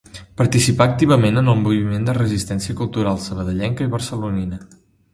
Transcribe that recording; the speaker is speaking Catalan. Participà activament en el moviment de resistència cultural sabadellenca i barcelonina.